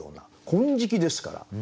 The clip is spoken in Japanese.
「金色」ですから。